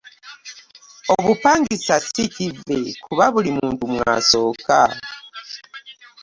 Obupangisa si kivve kuba buli muntu mw'asooka.